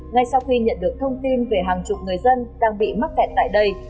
ngay sau khi nhận được thông tin về hàng chục người dân đang bị mắc kẹt tại đây